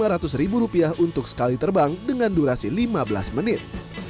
pengunjung perlu merogoh kocek lima ratus rupiah untuk sekali terbang dengan durasi lima belas menit